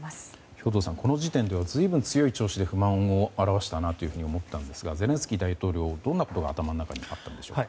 兵頭さん、この時点では随分強い調子で不満を表したなと思ったんですがゼレンスキー大統領はどんなことが頭の中にあったんでしょうか。